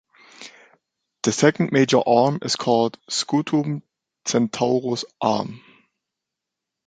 The second major arm is called Scutum-Centaurus Arm.